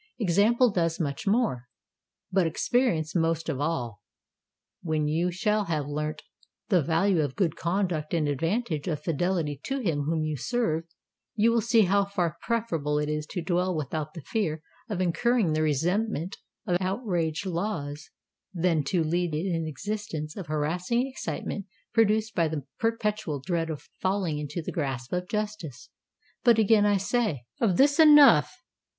Example does much more—but experience most of all. When you shall have learnt the value of good conduct and the advantage of fidelity to him whom you serve, you will see how far preferable it is to dwell without the fear of incurring the resentment of outraged laws than to lead an existence of harassing excitement produced by the perpetual dread of falling into the grasp of justice. But, again I say, of this enough.